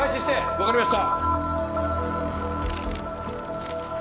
わかりました。